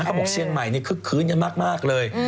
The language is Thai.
เขาบอกเชียงใหม่คืนมากเลย